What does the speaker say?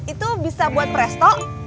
itu bisa buat presto